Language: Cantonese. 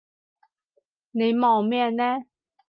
你望咩呢？